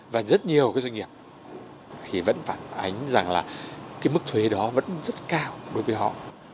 và rất nhiều cái doanh nghiệp thì vẫn phản ánh rằng là cái mức thuế đó vẫn rất cao đối với họ